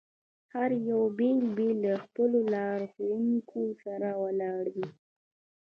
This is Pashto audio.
هر یو بېل بېل له خپلو لارښوونکو سره ولاړ دي.